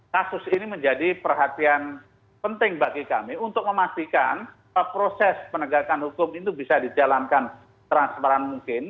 kasus ini menjadi perhatian penting bagi kami untuk memastikan proses penegakan hukum itu bisa dijalankan transparan mungkin